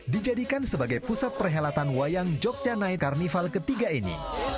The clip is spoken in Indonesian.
dijadikan sebagai pusat perhelatan wayang jogja night carnival ketiga ini